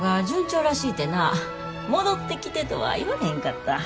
戻ってきてとは言われへんかった。